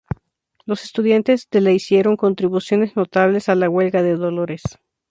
Los estudiantes de la hicieron contribuciones notables a la Huelga de Dolores.